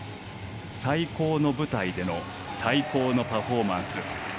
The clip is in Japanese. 最高の舞台での最高のパフォーマンス。